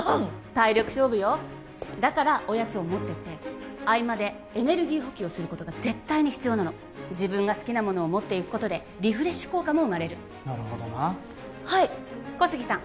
体力勝負よだからおやつを持ってって合間でエネルギー補給をすることが絶対に必要なの自分が好きなものを持っていくことでリフレッシュ効果も生まれるなるほどなはい小杉さん